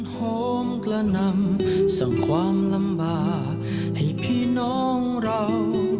ที่จะฟื้นฟูให้กลับสู่สภาพปกติครับ